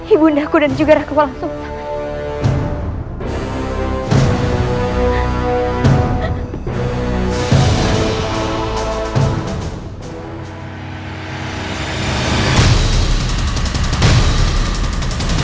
ibu undahku dan juga raku walang sungsang